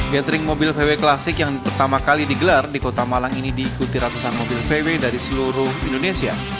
gathering mobil vw klasik yang pertama kali digelar di kota malang ini diikuti ratusan mobil vw dari seluruh indonesia